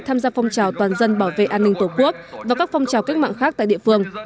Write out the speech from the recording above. tham gia phong trào toàn dân bảo vệ an ninh tổ quốc và các phong trào cách mạng khác tại địa phương